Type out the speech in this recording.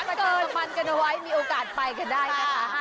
พัดกระทะมันกันไว้มีโอกาสไปก็ได้ค่ะ